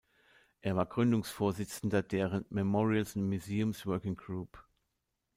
Er war Gründungsvorsitzender deren Memorials and Museums Working Group.